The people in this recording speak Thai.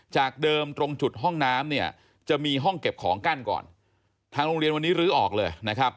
จากเดิมตรงจุดห้องน้ำเนี่ยจะมีห้องเก็บของกั้นก่อน